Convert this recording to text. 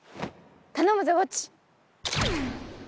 頼むぜウォッチ！